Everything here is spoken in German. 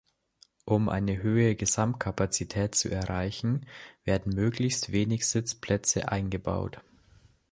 Um eine hohe Gesamtkapazität zu erreichen, werden möglichst wenig Sitzplätze eingebaut.